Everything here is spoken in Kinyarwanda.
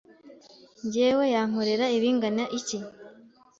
njyewe yankorera ibingana iki?